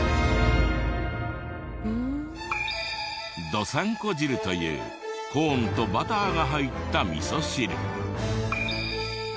どさんこ汁というコーンとバターが入った味噌汁。